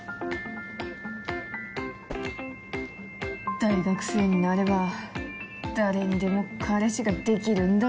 大学生になれば誰にでも彼氏ができるんだと思ってた。